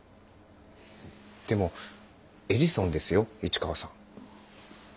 でもエジソンですよ市川さん。